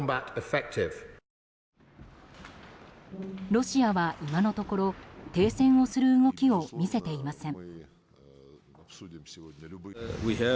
ロシアは今のところ停戦をする動きを見せていません。